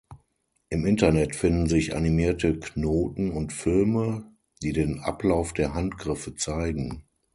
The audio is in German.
Im Internet finden sich animierte Knoten und Filme, die den Ablauf der Handgriffe zeigen.